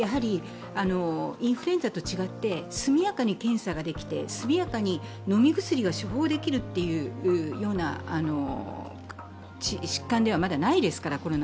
インフルエンザと違って速やかに検査ができて、速やかに飲み薬が処方できるような疾患では、まだないですから。